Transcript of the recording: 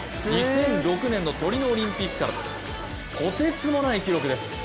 ２００６年のトリノオリンピックからってとてつもない記録です。